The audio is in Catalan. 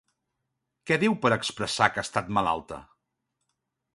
Què diu per expressar que ha estat malalta?